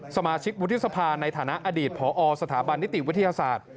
สมาชิกวุฒิสภาในฐานะอดีตพอสถาบันนิติวิทยาศาสตร์